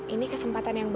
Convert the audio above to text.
ini kesempatan yang bagus